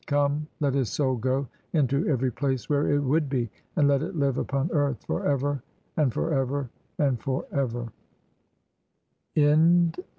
Come, let his soul go into every "place where it would be, and let it live upon earth "for ever, and for ever, and for ever."